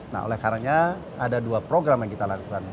nah oleh karena ada dua program yang kita lakukan